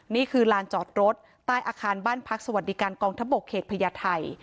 นี่คือลานจอดรถใต้อาคารบ้านพักสวัสดิการกองทบกเขตพญาไทย